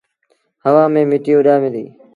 هوآ ميݩ مٽيٚ اُڏآمي ديٚ۔